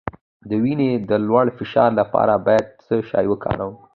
د وینې د لوړ فشار لپاره باید څه شی وکاروم؟